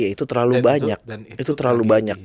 iya itu terlalu banyak